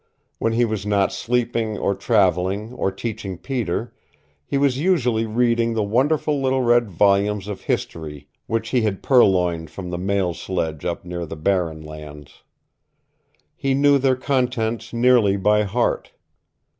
When he was not sleeping, or traveling, or teaching Peter he was usually reading the wonderful little red volumes of history which he had purloined from the mail sledge up near the Barren Lands. He knew their contents nearly by heart.